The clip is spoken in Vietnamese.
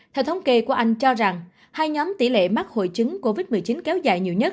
theo thống kê của anh cho rằng hai nhóm tỷ lệ mắc hội chứng covid một mươi chín kéo dài nhiều nhất